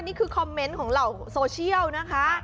นี่คือคอมเมนต์ของเหล่าโซเชียลนะคะ